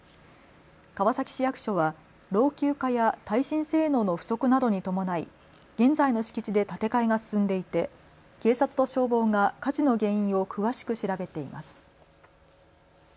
川崎市役所は老朽化や耐震性能の不足などに伴い現在の敷地で建て替えが進んでいて警察と消防が火事の原因を詳しく調べています。